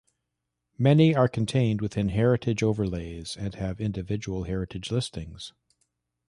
Many are contained within heritage overlays and have individual heritage listings.